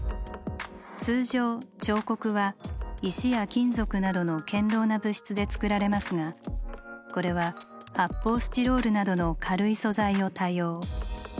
通常彫刻は石や金属などの堅ろうな物質で作られますがこれは発泡スチロールなどの軽い素材を多用。